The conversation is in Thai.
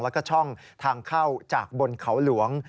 แล้วก็ช่องทางเข้าจากบนเขาหลวง